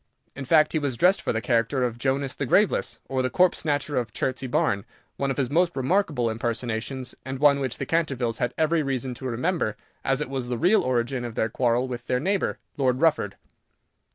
In fact, he was dressed for the character of "Jonas the Graveless, or the Corpse Snatcher of Chertsey Barn," one of his most remarkable impersonations, and one which the Cantervilles had every reason to remember, as it was the real origin of their quarrel with their neighbour, Lord Rufford.